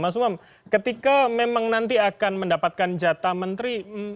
mas umam ketika memang nanti akan mendapatkan jatah menteri